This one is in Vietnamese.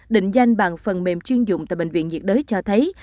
định danh bằng phần mềm chuyên dụng tại bệnh viện nhiệt đới cho thấy